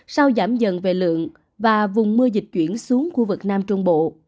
sau giảm dần về lượng và vùng mưa dịch chuyển xuống khu vực nam trung bộ